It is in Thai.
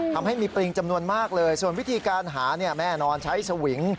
ทำให้มีปริงจำนวนมากเลยส่วนวิธีการหาแน่นอนใช้สวิง